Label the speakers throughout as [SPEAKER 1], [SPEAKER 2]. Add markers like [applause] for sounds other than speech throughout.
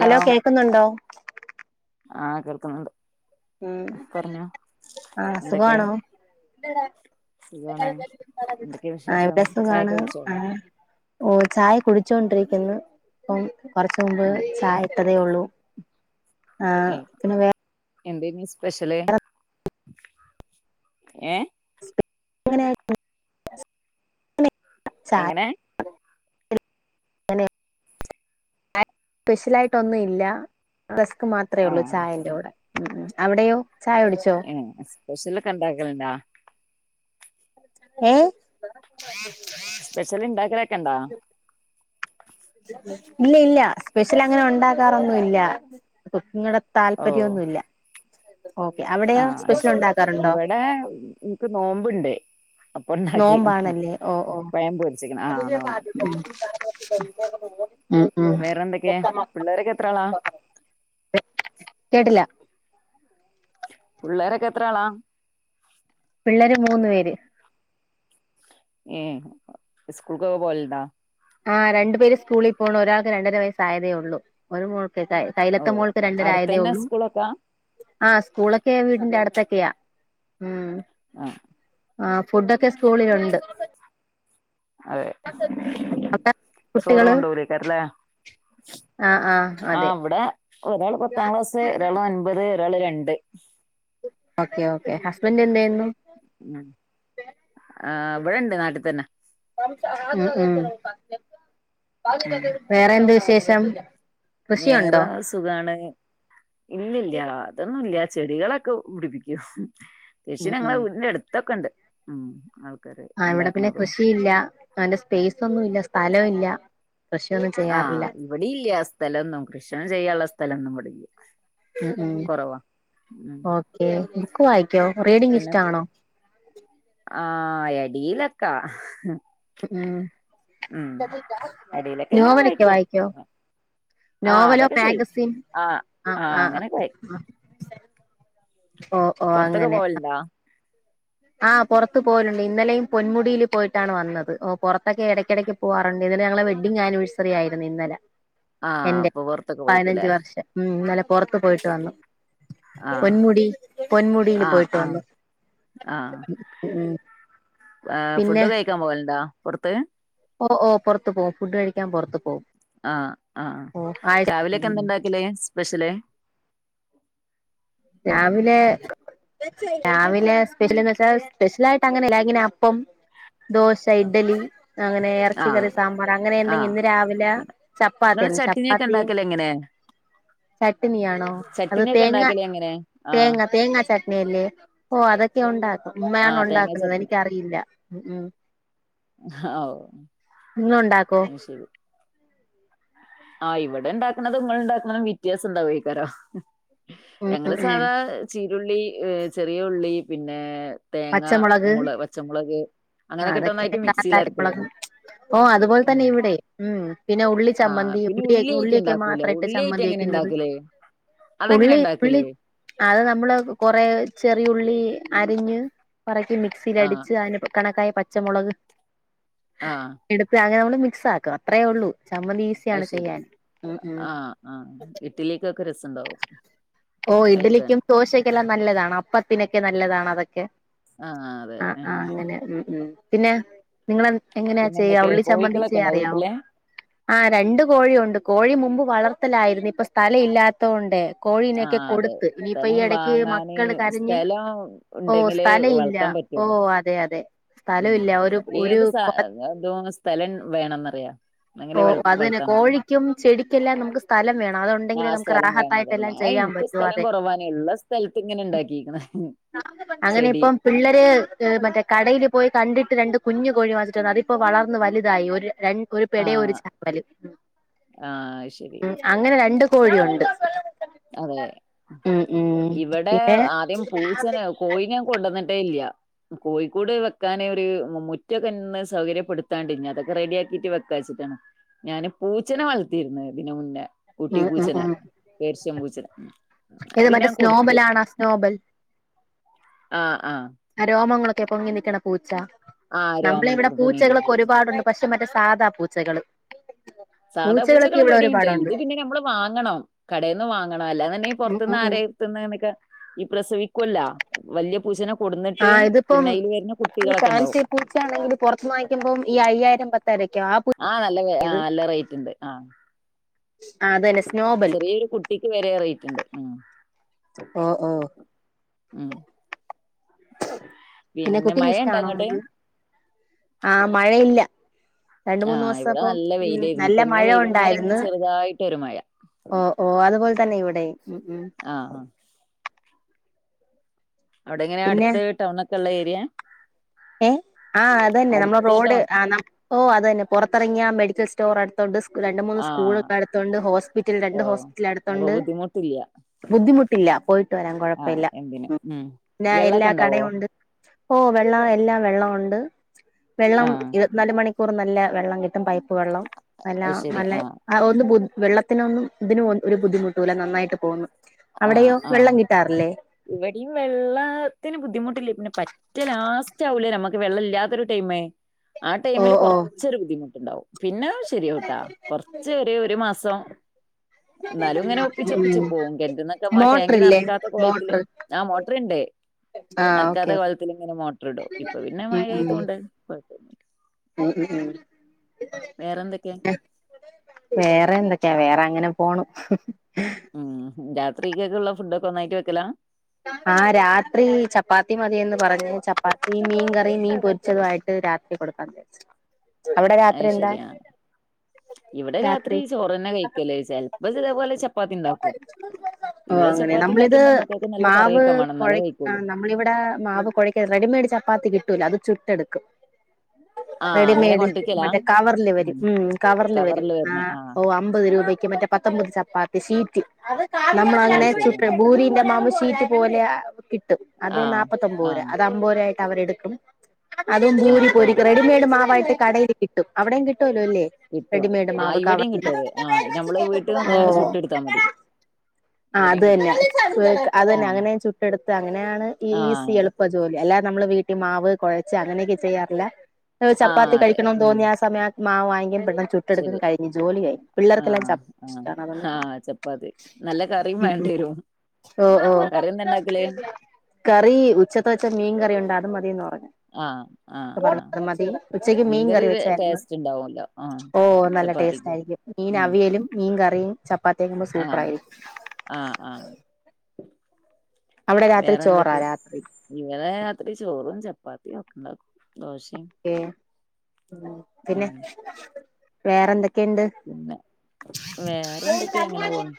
[SPEAKER 1] Hello കേക്കുന്നുണ്ടോ
[SPEAKER 2] ആഹ് കേൾക്കുന്നുണ്ട്
[SPEAKER 1] ഉം
[SPEAKER 2] പറഞ്ഞോ
[SPEAKER 1] ആഹ്
[SPEAKER 2] എന്തൊക്കെയാ
[SPEAKER 1] സുഖമാണോ?
[SPEAKER 2] സുഖാണ് എന്തൊക്കെയാ
[SPEAKER 1] ആഹ്
[SPEAKER 2] വിശേഷം
[SPEAKER 1] ഇവിടെ സുഖാണ്
[SPEAKER 2] ചായൊക്കെ കുടിച്ചോ
[SPEAKER 1] ആഹ് ഓഹ് ചായ കുടിച്ചൊണ്ടിരിക്കുന്നു ഇപ്പം കൊറച്ച മുമ്പ്
[SPEAKER 2] ഉം
[SPEAKER 1] ചായട്ടതേഒള്ളൂ ആഹ് പിന്നെ വേ
[SPEAKER 2] എന്തേയ്നി സ്പെഷ്യല് ഏഹ്
[SPEAKER 1] [unintelligible]
[SPEAKER 2] എങ്ങനെ
[SPEAKER 1] [unintelligible] ആഹ് സ്പെഷ്യലായിട്ടൊന്നും ഇല്ല റസ്ക്ക് മാ ത്രയേ ഒള്ളൂ
[SPEAKER 2] ആഹ്
[SPEAKER 1] ചായന്റെ കൂടെ ഉം ഉം അവിടെയോ ചായ കുടിച്ചോ
[SPEAKER 2] ഉം സ്പെഷ്യലൊക്കെ ഇണ്ടാക്കൽ ഉണ്ടോ
[SPEAKER 1] ഏഹ്
[SPEAKER 2] സ്പെഷ്യൽ ഇണ്ടാക്കൽ ഒക്കെ ഇണ്ടോ
[SPEAKER 1] ഇല്ലേ ഇല്ല സ്പെഷ്യൽ അങ്ങനെ ഉണ്ടാക്കാറൊന്നും ഇല്ല കുക്കിങ്ങുടെ താല്പര്യം
[SPEAKER 2] ഓഹ്
[SPEAKER 1] ഒന്നും ഇല്ല ഓക്കെ അവിടെയോ സ്പെഷ്യൽ ഉണ്ടാക്കാറുണ്ടോ
[SPEAKER 2] ഏഹ് ഇക് നോമ്പുണ്ടേ അപ്പോണ്ടാക്കിക്ക്ണ്
[SPEAKER 1] നോമ്പാണല്ലേ ഓ ഓ
[SPEAKER 2] പഴം പൊരിച്ച്ക്ക്ണ് ആഹ് നോമ്പ്ണ്ട്
[SPEAKER 1] ഉം ഉം
[SPEAKER 2] വേറെന്തൊക്കെയ പിള്ളാരൊക്കെ എത്രാളാ
[SPEAKER 1] കേട്ടില്ല
[SPEAKER 2] പുള്ളാരക്കെത്രാളാ
[SPEAKER 1] പിള്ളാര് മൂന്ന് പേര്
[SPEAKER 2] ഏഹ് ഉസ്കൂൾകൊക്കെ പോവല്ണ്ടോ
[SPEAKER 1] ആഹ് രണ്ട് പേര് സ്കൂളി പോണു ഒരാൾക്ക് രണ്ടര വയസ്സായതേ ഒള്ളൂ ഒരു മോൾക്ക് [unintelligible] കൈയിലത്തെ
[SPEAKER 2] ഓഹ്
[SPEAKER 1] മോൾക്ക് രണ്ടരായതേ
[SPEAKER 2] അടുത്തന്നെ
[SPEAKER 1] ഒള്ളൂ
[SPEAKER 2] സ്കൂളൊക്കാ
[SPEAKER 1] ആഹ് സ്കൂളൊക്കെ വീടിന്റടുത്തൊക്കെയാ ഉം
[SPEAKER 2] ആഹ്
[SPEAKER 1] ആഹ് ഫുഡൊക്കെ സ്കൂളിലൊണ്ട്
[SPEAKER 2] അതെ ചോറ്
[SPEAKER 1] കുട്ടികള്
[SPEAKER 2] കൊണ്ടോവൂലെക്കാരം ലെ
[SPEAKER 1] ആഹ് ആഹ് അതെ
[SPEAKER 2] ഒരാള് പത്താം ക്ലാസ് ഒരാളൊൻപത് ഒരാള് രണ്ട്
[SPEAKER 1] ഓക്കെ ഓക്കെ ഹസ്ബന്റ് എന്തയ്യുന്നു
[SPEAKER 2] ഉം ആഹ് ഇബടെണ്ട് നാട്ടിൽ തന്നെ
[SPEAKER 1] ഉം ഉം
[SPEAKER 2] ഉം
[SPEAKER 1] വേറെ എന്ത് വിശേഷം കൃഷിയുണ്ടോ
[SPEAKER 2] ഞേറാ സ് സുഖാണ് ഇല്ല്യില്ല അതൊന്നുല്ല്യ ചെടികളൊക്കെ പിടിപ്പിക്കും ഹും ഷി
[SPEAKER 1] ഉം
[SPEAKER 2] ഞങ്ങളെ
[SPEAKER 1] ഉം
[SPEAKER 2] വീടിന്റെടുത്തൊക്കെ ഉണ്ട് ഉം [unintelligible]
[SPEAKER 1] ആഹ് ഇവിടെ പിന്നെ
[SPEAKER 2] ഉണ്ടാക്കണതും
[SPEAKER 1] കൃഷിയില്ല ഇപ്പാന്റെ സ്‌പൈസ് ഒന്നും ഇല്ല സ്ഥലോം ഇല്ല കൃഷിയൊന്നും ചെ
[SPEAKER 2] ആഹ് ഇവടീം ഇല്ല സ്ഥലൊന്നും കൃഷിന്നും ചെയ്യാൻള്ള സ്ഥലന്നും ഇവിടെ ഇല്ല
[SPEAKER 1] ഉം ഉം
[SPEAKER 2] കുറവാ ഉം
[SPEAKER 1] ഓക്കെ ബുക്ക് വായിക്കോ റീഡിങ് ഇഷ്ടാണോ
[SPEAKER 2] ആഹ് എടീലക്കെ
[SPEAKER 1] ഉം
[SPEAKER 2] അടിയിലൊക്കെ ഇങ്ങനെ
[SPEAKER 1] നോവലൊക്കെ
[SPEAKER 2] വായിക്കും
[SPEAKER 1] വായിക്കോ
[SPEAKER 2] ആ
[SPEAKER 1] നോവലോ
[SPEAKER 2] അതൊക്കെ ചെയ്യും
[SPEAKER 1] മേഗസിൻ
[SPEAKER 2] ആ
[SPEAKER 1] ആഹ്
[SPEAKER 2] ആ
[SPEAKER 1] ആഹ്
[SPEAKER 2] അങ്ങനെയൊക്കെ വായിക്കും
[SPEAKER 1] ആഹ് ഓ
[SPEAKER 2] പൊറത്തൊക്കെ പോവലുണ്ടോ
[SPEAKER 1] ആഹ് പൊറ്ത്ത് പോവലുണ്ട് ഇന്നലെം പൊന്മുടീല് പോയിട്ടാണ് വന്നത് ഓ പൊറത്തൊക്കെ എടക്കെടക്ക് പോവാറുണ്ട് ഇന്നലെ ഞങ്ങളെ വെഡ്ഡിങ് ആനിവേഴ്സറി ആയിരുന്നു ഇന്നലെ
[SPEAKER 2] ആഹ്
[SPEAKER 1] എന്റെ
[SPEAKER 2] അപ്പൊ പൊറത്തൊക്കെ പോയിക്കൂലേ
[SPEAKER 1] പതിനഞ്ച് വർഷം ഉം ഇന്നലെ പൊറത്ത് പോയിട്ട് വന്നു
[SPEAKER 2] ആഹ്
[SPEAKER 1] പൊന്മുടില് പൊന്മുടിയിൽ
[SPEAKER 2] ആഹ്
[SPEAKER 1] പോയിട്ട്
[SPEAKER 2] ആഹ്
[SPEAKER 1] വന്നു ഉം ഉം
[SPEAKER 2] ഏഹ്
[SPEAKER 1] പിന്നെ
[SPEAKER 2] ഫുഡ് കഴിക്കാൻ പോകലുണ്ടാ പൊറത്ത്
[SPEAKER 1] ഓ ഓ പൊറ്ത്ത് പോവും ഫുഡ് കഴിക്കാൻ പൊറ്ത്ത് പോവും
[SPEAKER 2] ആഹ് ആഹ് രാവിലെക്കെന്താ ഇണ്ടാക്കല് സ്പെഷ്യല്
[SPEAKER 1] രാവിലെ രാവിലെ സ്പെഷ്യന്ന് വെച്ചാ സ്പെഷ്യലായിട്ട് അങ്ങനെല്ല ഇങ്ങനെ അപ്പം ദോശ ഇഡലി അങ്ങനെ
[SPEAKER 2] ആഹ്
[SPEAKER 1] എറച്ചിക്കറി സാമ്പാർ അങ്ങനെ എന്തെങ്കിം
[SPEAKER 2] ആഹ്
[SPEAKER 1] ഇന്ന് രാവിലെ
[SPEAKER 2] നിങ്ങള്
[SPEAKER 1] ചപ്പാത്തിയാര്ന്ന്
[SPEAKER 2] ചട്ടിനിയൊക്കെ
[SPEAKER 1] ചപ്പാത്തീം
[SPEAKER 2] ഉണ്ടാക്കല് എങ്ങനെ
[SPEAKER 1] ചട്ട്ണിയാണോ അത്
[SPEAKER 2] ചട്ടിനിയൊക്കെ
[SPEAKER 1] തേങ്ങ
[SPEAKER 2] ഉണ്ടാക്കല് എങ്ങനെ ആഹ്
[SPEAKER 1] തേങ്ങ തേങ്ങാ ചട്നിയല്ലേ ഓഹ് അതൊക്കെ ഒണ്ടാക്കും ഉമ്മയാണ്
[SPEAKER 2] ആഹ് തേങ്ങ
[SPEAKER 1] ഒണ്ടാക്കുന്നത്
[SPEAKER 2] ചട്നി
[SPEAKER 1] എനിക്കറിയില്ല ഉം ഉം
[SPEAKER 2] ഹാ ഓ
[SPEAKER 1] നിങ്ങളുണ്ടാക്കോ
[SPEAKER 2] അത് ശരി ആഹ് ഇവിടെണ്ടാക്കണതും ങ്ങള് ണ്ടാക്കണതും വ്യത്യാസം ണ്ടാവെയ്ക്കാരം
[SPEAKER 1] ഉം ഉം
[SPEAKER 2] ഞങ്ങള്
[SPEAKER 1] ഉം
[SPEAKER 2] സാധാ ചീരുള്ളി ഏഹ് ചെറിയ ഉള്ളി പിന്നെ തേങ്ങ
[SPEAKER 1] പച്ചമുളക്
[SPEAKER 2] മുളക് പച്ചമുളക് അങ്ങനൊക്കെട്ട് ഒന്നായിട്ട് മിക്സിയിലരക്കലാണ്
[SPEAKER 1] ഓഹ് അത്പോലെ തന്നെ ഇവിടെം ഉം പിന്നെ ഉള്ളി
[SPEAKER 2] ആഹ്
[SPEAKER 1] ചമ്മന്തിയും
[SPEAKER 2] പിന്നെ
[SPEAKER 1] ഉള്ളി
[SPEAKER 2] ഉള്ളിയായിട്ട്
[SPEAKER 1] ഉള്ളിയൊക്കെ
[SPEAKER 2] ഇണ്ടാക്കൂലേ
[SPEAKER 1] മാത്രമായിട്ട്
[SPEAKER 2] ഉള്ളിയായിട്ട് എങ്ങനെ
[SPEAKER 1] ചമ്മന്തിയക്കുന്നത്
[SPEAKER 2] ഇണ്ടാക്കല് അതെങ്ങനെ
[SPEAKER 1] ഉള്ളി ഉള്ളി
[SPEAKER 2] ഇണ്ടാക്കല്
[SPEAKER 1] അത് നമ്മള് കൊറേ ചെറിയുള്ളി അരിഞ്ഞ് പെറക്കി മിക്സിയിൽ
[SPEAKER 2] ആഹ്
[SPEAKER 1] അടിച്ച് അതിന് കണക്കായ പച്ചമുളക്
[SPEAKER 2] ആഹ്
[SPEAKER 1] എടുത്ത് അങ്ങനെ നമ്മള് മിക്സ് ആക്കുക് അത്രെ ഉള്ളൂ ചമ്മന്തി
[SPEAKER 2] അത്
[SPEAKER 1] ഈസിയാണ്
[SPEAKER 2] ശരി
[SPEAKER 1] ചെയ്യാൻ ഉം ഉം
[SPEAKER 2] ആഹ് ആഹ് ഇഡിലിക്കൊക്കെ രെസോണ്ടാകും
[SPEAKER 1] ഓഹ് ഇഡലിക്കും ദോശക്കെല്ലാം നല്ലതാണ് അപ്പത്തിനൊക്കെ നല്ലതാണ് അതൊക്കെ
[SPEAKER 2] ആഹ് അതെ
[SPEAKER 1] ആഹ് ആഹ് അങ്ങനെ ഉം ഉം പിന്നെ നിങ്ങള് എങ്ങനെയാ
[SPEAKER 2] പിന്നെ
[SPEAKER 1] ചെയ്യാ
[SPEAKER 2] എന്തൊക്കെ
[SPEAKER 1] ഉള്ളി ചമ്മന്തി
[SPEAKER 2] കോഴിക്കളൊക്കെ
[SPEAKER 1] ചെയ്യാൻ
[SPEAKER 2] ഇണ്ടോ
[SPEAKER 1] അറിയാവോ
[SPEAKER 2] വീട്ടില്
[SPEAKER 1] ആഹ് രണ്ട് കോഴി ഉണ്ട് കോഴി മുമ്പ് വളർത്തലായിരുന്നു ഇപ്പൊ സ്ഥലം ഇല്ലാത് ത്തോണ്ടെ കോഴിനെക് ക്കെ
[SPEAKER 2] ആഹ് അതെ
[SPEAKER 1] കൊടുത്ത് ഇനിയിപ്പൊ ഈ
[SPEAKER 2] സ്ഥലം
[SPEAKER 1] എടക്ക്
[SPEAKER 2] വാങ്ങാന്
[SPEAKER 1] മക്കള് കരഞ്ഞ്
[SPEAKER 2] സ്ഥലം
[SPEAKER 1] ഓഹ്
[SPEAKER 2] ഉണ്ടെങ്കിലേ
[SPEAKER 1] സ്ഥലം ഇല്ല
[SPEAKER 2] വളർത്താൻ പറ്റുള്ളൂ
[SPEAKER 1] ഓഹ് അതെ അതെ സ്ഥലം
[SPEAKER 2] ഉം
[SPEAKER 1] ഇല്ല ഒരു ഒരു
[SPEAKER 2] ഏത് സ
[SPEAKER 1] കൊ-
[SPEAKER 2] അതോ സ്ഥലം വേണംന്ന്റിയാ
[SPEAKER 1] ഓഹ് അത് തന്നെ കോഴിക്കും ചെടിക്കെല്ലാം നമുക്ക് സ് സ്ഥലം വേണം അത് ഉണ്ടെങ്കിലേ
[SPEAKER 2] ആഹ്
[SPEAKER 1] നമുക്ക് റാഹത്തായിട്ട് എല്ലാം ചെയ്യാൻ പറ്റു അതെ
[SPEAKER 2] എള്ള സ്ഥലത്ത് ഇങ്ങനെ ണ്ടാക്കിക്ക്ണ്
[SPEAKER 1] അങ്ങനെ ഇപ്പം പിള്ളേര് ഏഹ് മറ്റേ കടയിൽ പോയി കണ്ടിട്ട് രണ്ട് കുഞ്ഞ് കോഴി വങ്ങിച്ചിട്ടുവന്നു അതിപ്പോ വളർന്ന് വലുതായി ഒരു രണ് ഒരു പെടെം ഒരു
[SPEAKER 2] ആഹ്
[SPEAKER 1] ചാപ്പല്
[SPEAKER 2] ആഹ് ശരി
[SPEAKER 1] ഉം അങ്ങനെ രണ്ട് കോഴിയുണ്ട്
[SPEAKER 2] അതെ
[SPEAKER 1] ഉം ഉം
[SPEAKER 2] ഇവിടെ
[SPEAKER 1] പിന്നെ
[SPEAKER 2] ആദ്യം പൂച്ചനെ കോയിനെ ഞാൻ കൊണ്ടുവന്നിട്ടേ ഇല്യ കോഴിക്കൂട് വെക്കാന് ഒരു മുറ്റൊക്കെന്ന് സൗകര്യപ്പെടുത്താണ്ട് ഇനി അതൊക്കെ റെഡിയാക്കിട്ട് വെക്കാ വച്ചിട്ടാണ് ഞാന് പൂച്ചനെ വളർത്തിരുന്നു ഇതിന് മുന്നേ ഊട്ടി
[SPEAKER 1] ഉം ഉം
[SPEAKER 2] പൂച്ചനെ
[SPEAKER 1] ഉം
[SPEAKER 2] പേർശ്യം പൂച്ചനെ അത്
[SPEAKER 1] ഇത്
[SPEAKER 2] പിന്നെ
[SPEAKER 1] മറ്റേ
[SPEAKER 2] ഞാൻ കൊടുത്ത്
[SPEAKER 1] സ്നോബലാണോ സ്നോബൽ
[SPEAKER 2] ആഹ് ആഹ്
[SPEAKER 1] രോമങ്ങളൊക്കെ പൊങ്ങി നിക്കണ പൂച്ച
[SPEAKER 2] ആഹ്
[SPEAKER 1] നമ്മള
[SPEAKER 2] രോമം
[SPEAKER 1] ഇവിടെ
[SPEAKER 2] പൊങ്ങിക്കുന്നത്
[SPEAKER 1] പൂച്ചകളൊക്കെ ഒരുപാടുണ്ട് പക്ഷെ മറ്റേ സാധാ പൂച്ചകള്
[SPEAKER 2] സാധാ
[SPEAKER 1] പൂച്ചകളൊക്കെ
[SPEAKER 2] പൂച്ചകള്
[SPEAKER 1] ഇവിടെ
[SPEAKER 2] ഇവിടെണ്ട്
[SPEAKER 1] ഒരുപാടുണ്ട്
[SPEAKER 2] ഇത് പിന്നെ നമ്മള് വാങ്ങണം കടെന്ന് വാങ്ങണം അല്ലാന്ന്ണ്ടെങ്കി
[SPEAKER 1] ഉം
[SPEAKER 2] പൊറത്ത്ന്ന്
[SPEAKER 1] ഉം ഉം
[SPEAKER 2] ആരെയും തിണ്ണേമിക്കെ ഈ പ്രസവിക്കുവല്ല വല്യ പൂച്ചേന
[SPEAKER 1] ആ
[SPEAKER 2] കൊടുന്നിട്ട് പിന്നയില് വരണ കുട്ടികളൊക്കെ ഉണ്ടാവും
[SPEAKER 1] പൂച്ചാണെങ്കില് പൊറത്ത്ന്ന് വാങ്ങിക്കുമ്പോ ഈ അയ്യായിരം പത്തായിരംക്കെയ ആപ്
[SPEAKER 2] ആഹ് നല്ല വെ ആഹ് നല്ല റേറ്റ് ഉണ്ട് ആഹ്
[SPEAKER 1] ആഹ് അതന്നെ സ്
[SPEAKER 2] ചെറിയൊരു കുട്ടിക്ക് വരെ റെയിറ്റ്ണ്ട് ഉം
[SPEAKER 1] ഓഹ് ഓഹ്
[SPEAKER 2] ഉം
[SPEAKER 1] പിന്നെ കുക്കിംഗ്‌
[SPEAKER 2] മഴ ഉണ്ടോ
[SPEAKER 1] ഇഷ്ട്ടവാണോ
[SPEAKER 2] അങ്ങോട്ട്
[SPEAKER 1] ങ്ങക് ആ മഴയില്ല രണ്ട
[SPEAKER 2] ആഹ്
[SPEAKER 1] മൂന്നുസം
[SPEAKER 2] ഇവിടെ
[SPEAKER 1] ഇപ്പം
[SPEAKER 2] നല്ല
[SPEAKER 1] ഉം
[SPEAKER 2] വെയിലായിരുന്നു
[SPEAKER 1] നല്ല
[SPEAKER 2] ഇപ്പൊ ഇന്ന്
[SPEAKER 1] മഴ
[SPEAKER 2] വൈകുന്നേരം ഇങ്ങനെ
[SPEAKER 1] ഉണ്ടായിര്ന്ന്
[SPEAKER 2] ചെറുതായിട്ട് ഒരു മഴ
[SPEAKER 1] ഓ ഓ അത്പോൽ തന്നെ ഇവടേം ഉം ഉം
[SPEAKER 2] ആഹ് അ അവ്ടെ എങ്ങനെ
[SPEAKER 1] പിന്നെ
[SPEAKER 2] അട്ത്ത് ടൗണക്ക ഇള്ള ഏരിയെ
[SPEAKER 1] ഏഹ് ആ അതന്നെ നമ്മള
[SPEAKER 2] അടുത്ത്
[SPEAKER 1] റോഡ്
[SPEAKER 2] ടൗൺ
[SPEAKER 1] ആ ന ഓ അതന്നെ പോറത്തെറങ്ങിയ മെഡിക്കൽ സ് സ്റ്റോർ അട്ത്തുണ്ട് രണ്ട് മൂന്ന്
[SPEAKER 2] ആഹ്
[SPEAKER 1] സ്കൂളോക്ക അടുത്തുണ്ട് ഹോസ്പിറ്റല് രണ്ട് ഹോസ്പിറ്റല് അട്ത്തുണ്ട്
[SPEAKER 2] [unintelligible] ല്ല്യ
[SPEAKER 1] ബുദ്ധിമുട്ടില്ല പോയിട്ട് വരാൻ കൊഴപ്പ ഇല്ല ഉം പിന്നെ എല്ലാ
[SPEAKER 2] വെള്ളൊക്കെ ഉണ്ടാവോ
[SPEAKER 1] കടയുണ്ട് ഓ വെള്ള എല്ലാ വെള്ളം ഉണ്ട് വെള്ളം
[SPEAKER 2] ആഹ്
[SPEAKER 1] നാല് മണിക്കൂറും നല്ല വെള്ളം കിട്ടും പൈപ്പ് വെള്ളം നല്ല
[SPEAKER 2] അത് ശരി
[SPEAKER 1] നല്ല
[SPEAKER 2] ആഹ്
[SPEAKER 1] ആ ഒന്ന് ബു വെള്ളത്തിനൊന്നും ഇതിനും ഒരു ബുദ്ധിമുട്ടൂല നന്നായിട്ട് പോന്നു
[SPEAKER 2] ആഹ് ആഹ് ഇവടിം വെള്ളത്തിന് ബുദ്ധിമുട്ടില്ല പിന്നെ പ റ്റ ലാസ്റ്റ് ആവൂലെ നമ്മക്ക് വെള്ളം ഇല്ല്യാത്തൊരു ടൈമ് ആ
[SPEAKER 1] ഓ
[SPEAKER 2] ടൈമില്
[SPEAKER 1] ഓ
[SPEAKER 2] കൊർച്ചൊരു ബുദ്ധിമുട്ട്ണ്ടാവും പിന്നെ ശരിയാവ്ട്ട കൊർച്ച് ഒര് മാസം ന്നാലും ഇങ്ങനെ ഒപ്പിച്ചൊപ്പിച്ച്
[SPEAKER 1] ഉം
[SPEAKER 2] പോവും ന്നക്കമ ടാങ്കി
[SPEAKER 1] മോട്ടറില്ലേ
[SPEAKER 2] നർക്കാത്ത കോൽത്തില്
[SPEAKER 1] മോട്ടർ
[SPEAKER 2] ആ മോട്ടറ് ഇണ്ട്
[SPEAKER 1] ആഹ് ഓക്കെ
[SPEAKER 2] നർക്കാത്ത
[SPEAKER 1] ഓക്കെ
[SPEAKER 2] കൊൽത്തില് ഇങ്ങനെ മോട്ടറ് ഇടും ഇപ്പ പിന്നെ
[SPEAKER 1] ഉം ഉം
[SPEAKER 2] മഴയ്തൊണ്ട്
[SPEAKER 1] ഉം ഉം ഉം
[SPEAKER 2] വേറെന്തെക്കെ
[SPEAKER 1] വേറെ എന്തേക്കെ വേറെ അങ്ങനെ പോണു
[SPEAKER 2] ഉം രാത്രിക്കെക്ക് ഇള്ള ഫുഡോക്കെ ഒന്നായിട്ട് വെക്കല
[SPEAKER 1] ആ രാത്രി ചപ്പാത്തി മതിയന്ന് പറഞ്ഞു ചപ്പാത്തി മീൻ കറി മീൻ പൊര്ച്ചതു ആയി ട്ട് രാത്രി കൊടുക്കാന്ന് വിചാരിച്ചു അവടെ രാത്രി എന്താ
[SPEAKER 2] അയ്ശരി ആ
[SPEAKER 1] രാത്രി
[SPEAKER 2] ന്നെ കയ്ക്കല് ചെൽപ്പ ഇതേ പോലെ ച പ്പാത്തി ഇണ്ടാക്കും
[SPEAKER 1] ഓ
[SPEAKER 2] ഇവടെ
[SPEAKER 1] അങ്ങനെ
[SPEAKER 2] ചപ്പാത്തി ഇണ്ടാക്കി
[SPEAKER 1] നമ്മളിത്
[SPEAKER 2] ഇന്റെ മക്കക്ക് നല്ല
[SPEAKER 1] മാവ്
[SPEAKER 2] കറിയൊക്കെ വാണം
[SPEAKER 1] കുഴ
[SPEAKER 2] ഇന്നാലെ കയ്ക്കൊള്ളൂ
[SPEAKER 1] നമ്മളിവിടെ മാവ് കൊഴക്ക റെഡിമെഡ് ചപ്പാത്തി കിട്ടൂലോ അത് ചുട്ടെട്ക്കും
[SPEAKER 2] ആഹ് അങ്ങനെ
[SPEAKER 1] റെഡിമെയ്ഡ്
[SPEAKER 2] കൊണ്ടിരിക്കലാ
[SPEAKER 1] മറ്റേ കവർല് വരും ഉം കവർല് വരും
[SPEAKER 2] കവറിൽ
[SPEAKER 1] ആ
[SPEAKER 2] വരുന്ന ആഹ്
[SPEAKER 1] ഓ അമ്പത് രൂപയ്ക്ക് മറ്റ പത്തോമ്പത് ചപ്പാത്തി ഷീറ്റ്
[SPEAKER 2] അത്
[SPEAKER 1] നമ്മളങ്ങനെ
[SPEAKER 2] ശരി
[SPEAKER 1] ചുട്ട് ഭൂരിന്റെ മാവ് ഷീറ്റ് പോലെ കിട്ടും അത്
[SPEAKER 2] ആഹ്
[SPEAKER 1] നാപ്പത്തൊമ്പത് രൂപ
[SPEAKER 2] ആഹ്
[SPEAKER 1] അത് അമ്പത് രൂപായിട്ട് അവര് എട്ക്കും അതും
[SPEAKER 2] ആഹ്
[SPEAKER 1] ഭൂരി
[SPEAKER 2] ആഹ്
[SPEAKER 1] പോരിക്കും റെഡിമെയ്ഡ് മാവായിട്ട് കടെല് കിട്ടും അവടേം കിട്ടോല്ലോ ല്ലെ
[SPEAKER 2] കിട്ടും ആ ഇവടിം കിട്ടു അത് ആ നമ്മള് വീട്ട് വന്ന്ങ്ങാണ്ട്
[SPEAKER 1] ഓ
[SPEAKER 2] ചുട്ടട്ത്താ മതി
[SPEAKER 1] ആ അത്
[SPEAKER 2] ഇവിടെയും
[SPEAKER 1] തന്നെ
[SPEAKER 2] കിട്ടും
[SPEAKER 1] അതന്നെ
[SPEAKER 2] ഉം
[SPEAKER 1] അങ്ങനെ ചുട്ടെട്ത്ത് അങ്ങനെണ്
[SPEAKER 2] ആഹ്
[SPEAKER 1] ഈസി
[SPEAKER 2] അതെ
[SPEAKER 1] എളുപ്പ ജോലി അല്ലാതെ നമ്മള് വീട്ടി മാവ് കൊഴച്ച് അങ്ങനെയെക്കെ ചെയ്യാറില്ല
[SPEAKER 2] ആഹ്
[SPEAKER 1] ചപ്പാത്തി
[SPEAKER 2] അതെ
[SPEAKER 1] കഴിക്കണംന്ന്
[SPEAKER 2] ഉം
[SPEAKER 1] തോന്നി ആ സമയം ആ മാവ് വാങ്ങിക്ക്യ പെട്ടന്ന് ചു ട്ടെട്ക്ക്ന്ന്
[SPEAKER 2] ശരിയാ
[SPEAKER 1] കഴിഞ്ഞ് ജോലി കഴിഞ്ഞ് പിള്ളെർക്കെല്ലാം
[SPEAKER 2] ആഹ്
[SPEAKER 1] ച
[SPEAKER 2] ആഹ്
[SPEAKER 1] ഇഷ്ട്ടാണ് അതൊണ്ട്
[SPEAKER 2] ആഹ് ചപ്പാത്തി നല്ല കറി
[SPEAKER 1] ഉം
[SPEAKER 2] വേണ്ടി
[SPEAKER 1] ഉം
[SPEAKER 2] വരും
[SPEAKER 1] ഓ ഓ
[SPEAKER 2] എന്താ ഉണ്ടാക്കല്
[SPEAKER 1] കറി ഉച്ചത്തെ വെച്ച മീൻ കറി ഉണ്ട് അത് മതീന്ന് പറഞ്ഞ്
[SPEAKER 2] ആഹ് ആഹ് ആഹ്
[SPEAKER 1] [unintelligible] മതി ഉച്ചക്ക് മീൻ
[SPEAKER 2] മീൻകറി
[SPEAKER 1] കറി വെച്ചായ്‌ര്ന്ന്
[SPEAKER 2] ടേസ്റ്റ് ഉണ്ടാവല്ലോ ആഹ്
[SPEAKER 1] ഓ നല്ല ടേസ്റ്റ്
[SPEAKER 2] ചപ്പാത്തിക്ക്
[SPEAKER 1] ആയിരിക്കും മീന
[SPEAKER 2] ഉം
[SPEAKER 1] അവിയലും മീൻ കറിയും ചപ്പാത്തിക്മ്പോ
[SPEAKER 2] ആഹ്
[SPEAKER 1] സൂപ്പറായിരിക്കും
[SPEAKER 2] ആഹ് ആഹ്
[SPEAKER 1] [inaudible] അവടെ രാത്രി ചോറാ രാത്രി
[SPEAKER 2] ഇന്നലെ രാത്രി ചോറും ചപ്പാത്തിയും ഒക്ക ഇണ്ടാക്കും ദോശിം
[SPEAKER 1] പിന്നെ വേറെന്തെ ക്കെണ്ട്
[SPEAKER 2] പിന്നെ വേറെ എന്തൊക്കെയ അങ്ങനെ പോണു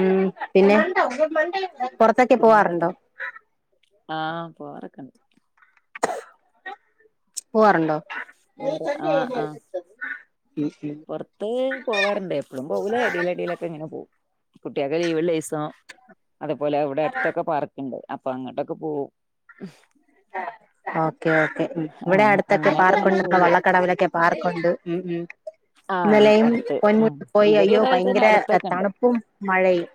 [SPEAKER 1] ഉം പിന്നെ പുറത്തൊക്കെ
[SPEAKER 2] പിന്നെ എന്തൊക്കെ
[SPEAKER 1] പോവാറുണ്ടോ
[SPEAKER 2] ആഹ് പോവാറൊക്കെണ്ട്
[SPEAKER 1] പോവാറുണ്ടോ
[SPEAKER 2] വേറെ ആഹ് ആഹ് പുറത്ത് പോവാറുണ്ട് എപ്പോഴും പോകൂലേ അടിൽ അടിയിലൊക്കെ ഇങ്ങനെ പോകും കുട്ടിയൊക്കെ ലീവുള്ള ദിസം അതേപോലെ അവിടെ അടുത്തൊക്കെ പാർക്ക്ണ്ട് അപ്പൊ അങ്ങോട്ടൊക്കെ പോവും
[SPEAKER 1] ഓക്കേ ഓക്കേ ഇവിടെ
[SPEAKER 2] ആഹ്
[SPEAKER 1] അടുത്തൊക്കെ
[SPEAKER 2] അങ്ങനെയൊക്കെ ഇങ്ങനെ പോയി
[SPEAKER 1] പാർക്കുണ്ട
[SPEAKER 2] വരും
[SPEAKER 1] വള്ളക്കടവിലൊക്കെ പാർക്കുണ്ട് ഉം ഉം
[SPEAKER 2] ആഹ്
[SPEAKER 1] ഇന്നലയും
[SPEAKER 2] അടുത്ത് ഉം
[SPEAKER 1] പൻമട്ട പോയി
[SPEAKER 2] ഇവിടെ
[SPEAKER 1] അയ്യോ
[SPEAKER 2] അതേപോലെ തന്നെ
[SPEAKER 1] ഭയങ്കര
[SPEAKER 2] അടുത്തൊക്കെ ഉണ്ട്
[SPEAKER 1] തണുപ്പും മഴയും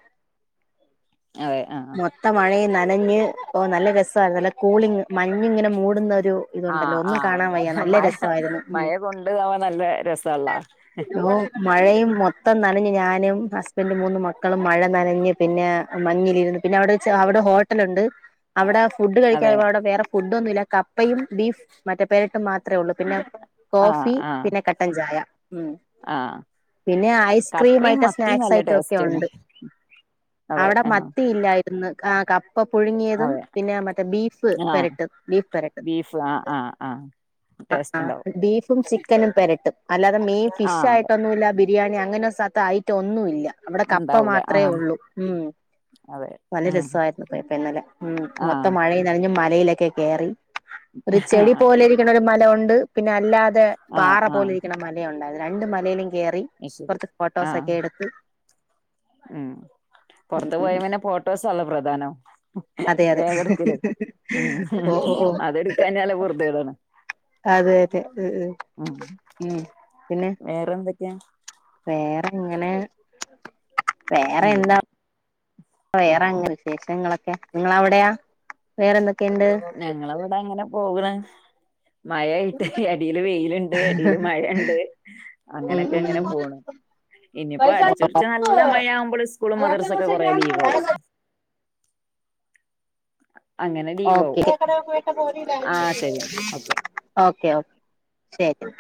[SPEAKER 2] അതെ അ ആഹ്
[SPEAKER 1] മത്ത മഴയെ നനഞ്ഞ് ഓ നല്ല രസമായി നല്ല കൂളിങ് മഞ്ഞി ഇങ്ങനെ മൂടുന്ന ഒരു ഇതുണ്ടല്ലോ
[SPEAKER 2] ആഹ്
[SPEAKER 1] ഒന്നും കാണാൻ വയ്യ
[SPEAKER 2] ആഹ
[SPEAKER 1] നല്ല
[SPEAKER 2] മഴ
[SPEAKER 1] രസമായിരുന്നു
[SPEAKER 2] മഴ
[SPEAKER 1] ഉം
[SPEAKER 2] കൊണ്ട് ആവാൻ നല്ല രസള്ളാ
[SPEAKER 1] ഓ മഴയും മൊത്തം നനഞ്ഞ് ഞാനും ഹസ്ബൻഡും മൂന്നും മക്കളും മഴ നനഞ്ഞ് പിന്നെ മഞ്ഞിലിരുന്നു പിന്നെ അവിടെ അവിടെ ഹോട്ടലുണ്ട് അവിടെ ഫുഡ് കഴിക്കാ
[SPEAKER 2] അതെ
[SPEAKER 1] അവിടെ വേറെ ഫുഡ ഒന്നുമല്ല കപ്പയും ബീഫ് മറ്റേ പേരിട്ടും മാത്രേ ഉള്ളൂ പിന്നെ
[SPEAKER 2] ആഹ്
[SPEAKER 1] കോഫി
[SPEAKER 2] ആഹ്
[SPEAKER 1] പിന്നെ കട്ടൻ ചായ ഉം
[SPEAKER 2] ആഹ്
[SPEAKER 1] പിന്നെ ഐസ്ക്രീം
[SPEAKER 2] കപ്പയും
[SPEAKER 1] ആയിട്ടോ
[SPEAKER 2] മത്തിയും
[SPEAKER 1] സ്നാക്സ്
[SPEAKER 2] നല്ല
[SPEAKER 1] ആയിട്ടോ ഒക്കെ
[SPEAKER 2] ടേസ്റ്റാണ്
[SPEAKER 1] ഉണ്ട്
[SPEAKER 2] അതെ
[SPEAKER 1] അവിടെ
[SPEAKER 2] ആഹ്
[SPEAKER 1] മത്തിയില്ലായിരുന്നു കപ്പ പുഴുങ്ങിയതും
[SPEAKER 2] അതെ
[SPEAKER 1] പിന്നെ മറ്റേ ബീഫ്
[SPEAKER 2] ആഹ്
[SPEAKER 1] പരട്ട ബീഫ് പരട്ട്
[SPEAKER 2] ബീഫ് ആഹ് ആഹ് ആഹ് ടേസ്റ്റ്
[SPEAKER 1] ആഹ്
[SPEAKER 2] ഉണ്ടാവും
[SPEAKER 1] ബീഫും ചിക്കൻ ചിക്കനും പെരട്ടും അല്ലാതെ മെയിൻ ഫിഷ്
[SPEAKER 2] ആഹ് അതെ
[SPEAKER 1] ആയിട്ടൊന്നുമല്ല ബിരിയാണി അങ്ങനെ സ്ഥത്ത ഐറ്റം ഒന്നുമ ഇല്ല അവിടെ കപ്പ
[SPEAKER 2] ഉണ്ടാവൂല
[SPEAKER 1] മാത്രമേ
[SPEAKER 2] ആഹ്
[SPEAKER 1] ഉള്ളൂ ഉം
[SPEAKER 2] അതെ
[SPEAKER 1] നല്ല
[SPEAKER 2] ഉം
[SPEAKER 1] രസമായിരുന്നു പോയപ്പോ ഇന്നലെ ഉം
[SPEAKER 2] ആഹ്
[SPEAKER 1] മൊത്തം മഴയും നനഞ്ഞു മലയിലൊക്കെ കേയറി ഒരു ചെടി
[SPEAKER 2] ആഹ്
[SPEAKER 1] പോലെ ഇരിക്കുന്ന ഒരു മല ഉണ്ട് പിന്നെ അല്ലാതെ
[SPEAKER 2] ആഹ്
[SPEAKER 1] പാറ പോലെ
[SPEAKER 2] ആഹ്
[SPEAKER 1] ഇരിക്കുന്ന മല ഉണ്ടായത് രണ്ട് മലയിലും കയറി
[SPEAKER 2] അത് ശരി
[SPEAKER 1] കൊറച്ച്
[SPEAKER 2] ആഹ്
[SPEAKER 1] ഫോട്ടോസൊക്കെ എടുത്ത്
[SPEAKER 2] ഉം
[SPEAKER 1] ഉം
[SPEAKER 2] പുറത്ത് പോയ
[SPEAKER 1] ഉം
[SPEAKER 2] പിന്നെ ഫോട്ടോസല്ലോ പ്രധാനം
[SPEAKER 1] അതെ അതെ
[SPEAKER 2] വേഗെടുക്കല് ഉം
[SPEAKER 1] ഓ ഓ ഓ
[SPEAKER 2] അതെടുക്കാൻല്ല വെറുതെ ഇടാണ്
[SPEAKER 1] അതെ അതെ ഉം പിന്നെ
[SPEAKER 2] വേറെ എന്തൊക്കെയാ
[SPEAKER 1] വേറെ എങ്ങനെ വേറെ
[SPEAKER 2] ഉം
[SPEAKER 1] എന്താ വേറെങ്ങനും വിശേഷങ്ങളൊക്കെ നിങ്ങളവിടെയാ വേറെന്തൊക്കെയുണ്ട്
[SPEAKER 2] ഞങ്ങള ഇവിടെ അങ്ങനെ പോകണ് മഴയിട്ട് അടിൽ വെയിലുണ്ട് അടിൽ മഴുണ്ട്
[SPEAKER 1] ഉം
[SPEAKER 2] അങ്ങനൊക്കെ ഇങ്ങനെ
[SPEAKER 1] ഉം
[SPEAKER 2] പോണ് ഇനിയിപ്പോ അടിച്ചൊറിച്ച് നല്ല മഴ ആകുമ്പോൾ സ്കൂളും മദർസ ഒക്കെ കുറേ ലീവ് ആകവും അങ്ങനെ
[SPEAKER 1] ഓക്കെ
[SPEAKER 2] ലീവാവും
[SPEAKER 1] ഓകെ
[SPEAKER 2] ആ ശരി എന്നാ ഓക്കെ
[SPEAKER 1] ഓകെ ശെരി